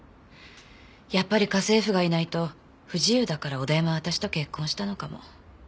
やっぱり家政婦がいないと不自由だから小田山は私と結婚したのかも。